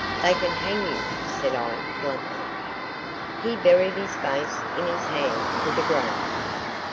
"They can hang you," said I, bluntly. He buried his face in his hands with a groan.